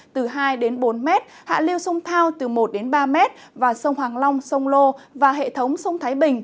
từ hai bốn m hạ liêu sông thao từ một ba m sông hoàng long sông lô và hệ thống sông thái bình